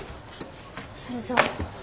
それじゃ。